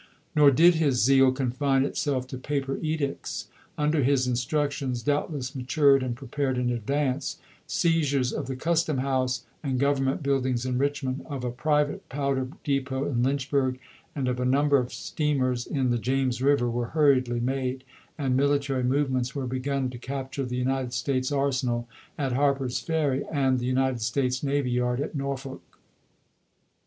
Nor did his zeal confine itself to paper edicts. Under his instructions, doubtless matured and prepared in advance, seizures of the custom house and gov ernment buildings in Richmond, of a private powder depot in Lynchburg, and of a number of steamers in the James River were hurriedly made, and mili tary movements were begun to capture the United States arsenal at Harper's Ferry and the United States navy yard at Norfolk.